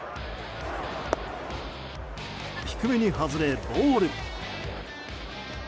低めに外れ、ボール。